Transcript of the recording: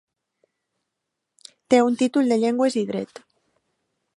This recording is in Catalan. Té un títol en Llengües i Dret.